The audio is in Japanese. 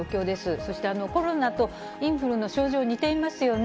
そして、コロナとインフルの症状、似ていますよね。